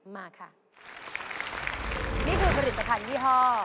บีเคพี